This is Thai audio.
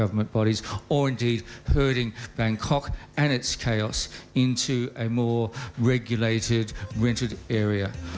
กลับมันให้เป็นบังกลับบันเกียรติศาสตร์